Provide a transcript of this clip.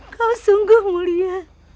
kau sungguh mulia